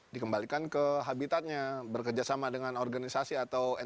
dikembalikan ke habitatnya berkerjasama dengan organisasi atau perusahaan